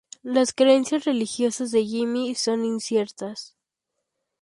Las creencias religiosas de Jimmy son inciertas.